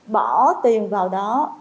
bỏ tiền vào đó